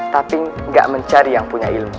tapi nggak mencari yang punya ilmu